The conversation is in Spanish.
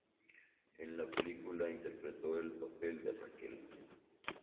En la película interpretó el papel de Raquel.